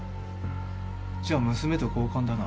じゃあ娘と交換だな。